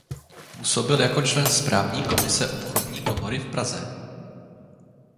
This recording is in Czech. Působil jako člen správní komise Obchodní komory v Praze.